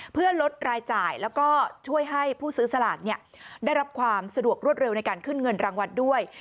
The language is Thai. เพื่อลดรายจ่ายแล้วก็ช่วยให้ผู้ซื้อสลากได้รับความสะดวกรวดเร็วในการขึ้นเงินรางวัลด้วย